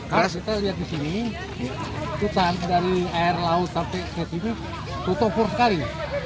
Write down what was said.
harus kita lihat disini hutan dari air laut sampai ke sini tutup pur sekali